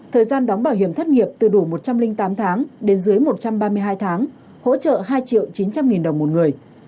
thời gian đóng bảo hiểm thất nghiệp từ đủ một trăm linh tám tháng đến dưới một trăm ba mươi hai tháng hỗ trợ hai triệu chín trăm linh nghìn đồng một người